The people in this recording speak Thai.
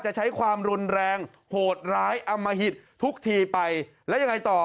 จะใช้ความรุนแรงโหดร้ายอมหิตทุกทีไปแล้วยังไงต่อ